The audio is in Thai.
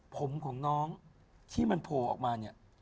ผมของน้องที่มันโผล่ออกมาเนี่ย